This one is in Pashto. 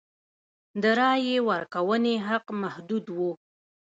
د رایې ورکونې حق محدود و.